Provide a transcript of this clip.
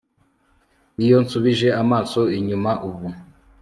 iyo nsubije amaso inyuma ubu